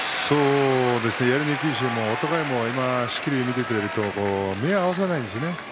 やりにくいしお互いも仕切りを見ていると目を合わせないんですよね。